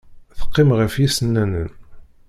Teqqim ɣef yisennanen.